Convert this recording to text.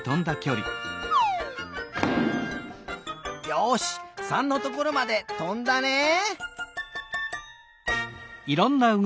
よし３のところまでとんだねえ。